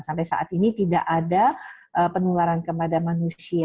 sampai saat ini tidak ada penularan kepada manusia